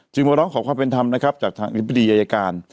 จิมูลเราขอความเป็นธรรมนะครับจากทางอินพิธียายการ